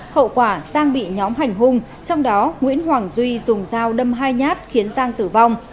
hậu quả giang bị nhóm hành hung trong đó nguyễn hoàng duy dùng dao đâm hai nhát khiến giang tử vong